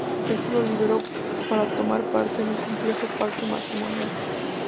Esto lo liberó para tomar parte en un complejo pacto matrimonial.